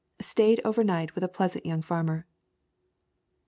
Stayed over night with a pleasant young farmer.